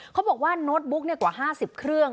เขาบอกว่าโน้ตบุ๊กกว่า๕๐เครื่อง